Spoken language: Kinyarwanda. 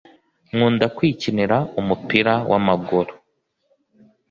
Kunda kwikinira umupira w’amaguru